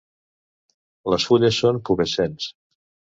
Les fulles són pubescents.